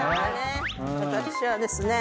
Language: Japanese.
私はですね